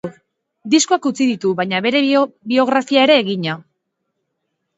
Diskoak utzi ditu, baina bere biografia ere egina.